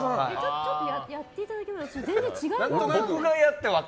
ちょっとやっていただけませんか？